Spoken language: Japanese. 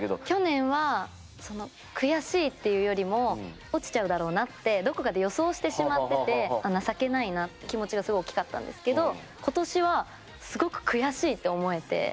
去年は悔しいっていうよりも落ちちゃうだろうなってどこかで予想してしまってて情けないなって気持ちがすごい大きかったんですけど今年はすごく悔しいって思えて。